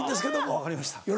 分かりました